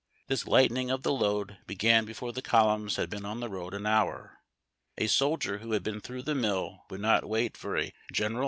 This lightening of the load began before the columns had been on the road an hour. A soldier who had been through the mill would not wait for a general BREAKING CAMP.